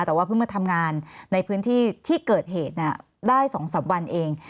แต่ว่าเพิ่งมาทำงานในพื้นที่ที่เกิดเหตุได้๒๓วันเอง